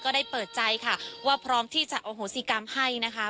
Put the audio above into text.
ได้เปิดใจค่ะว่าพร้อมที่จะอโหสิกรรมให้นะคะ